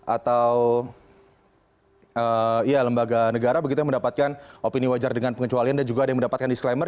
atau lembaga negara begitu yang mendapatkan opini wajar dengan pengecualian dan juga ada yang mendapatkan disclaimer